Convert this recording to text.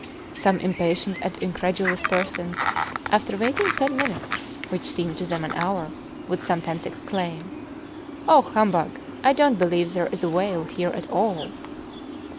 Some impatient and incredulous persons after waiting ten minutes, which seemed to them an hour, would sometimes exclaim: "Oh, humbug! I don't believe there is a whale here at all!"